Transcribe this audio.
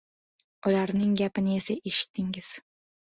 Ularning gapini esa eshitdingiz...